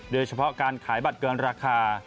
โดยเฉพาะการขายบัตรเกินราคา